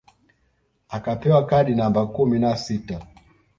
Akapewa kadi namba kumi na sita